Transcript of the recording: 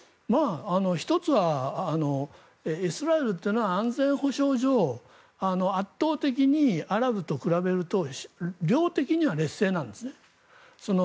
１つはイスラエルというのは安全保障上圧倒的にアラブと比べると量的には劣勢なんですね。